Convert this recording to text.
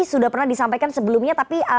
sudah pernah disampaikan sebelumnya tapi